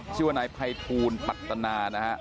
ชื่อว่านายภัยทูลปัตตนานะฮะ